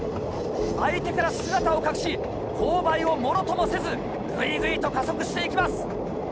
相手から姿を隠し勾配を物ともせずぐいぐいと加速していきます。